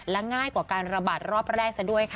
และง่ายกว่าการระบาดรอบแรกซะด้วยค่ะ